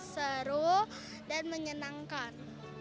seru dan menyenangkan